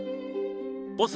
ボス